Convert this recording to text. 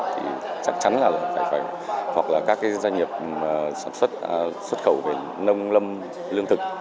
thì chắc chắn là phải hoặc là các doanh nghiệp sản xuất xuất khẩu về nông lâm lương thực